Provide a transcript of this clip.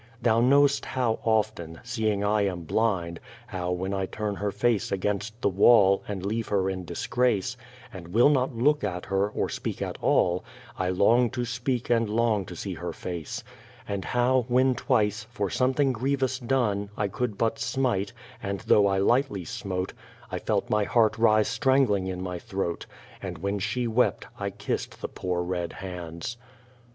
Thou know'st how often, seeing I am blind; How when I turn her face against the wall And leave her in disgrace, And will not look at her, or speak at all, I long to speak and long to see her face; And how, when twice, for something grievous done I could but smite, and, though I lightly smote, I felt my heart rise strangling in my throat; And when she wept I kissed the poor red hands.